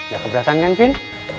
gak keberatan kan vin